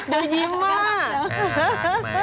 ดูยิ้มมาก